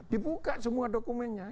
dibuka semua dokumennya